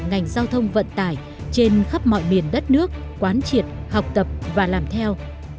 ngành giao thông vận tải trên khắp mọi miền đất nước quán triệt học tập và làm theo